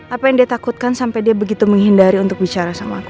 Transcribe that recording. apa yang dia takutkan sampai dia begitu menghindari untuk bicara sama aku